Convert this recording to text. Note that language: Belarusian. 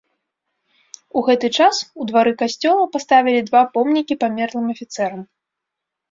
У гэты час у двары касцёла паставілі два помнікі памерлым афіцэрам.